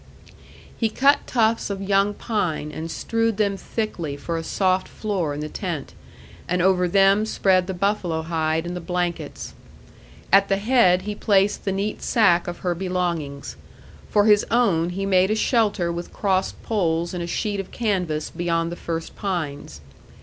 He cut tufts of young pine and strewed them thickly for a soft floor in the tent, and over them spread the buffalo hide and the blankets. At the head he placed the neat sack of her belongings. For his own he made a shelter with crossed poles and a sheet of canvas beyond the first pines.